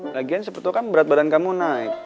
lagian sepertinya kan berat badan kamu naik